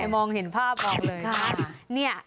มองเห็นภาพออกเลย